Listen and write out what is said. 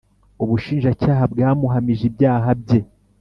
Ubushinjacyaha bwamuhamije ibyaha bye